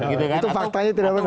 itu faktanya tidak benar